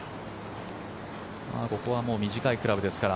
ここは短いクラブですから。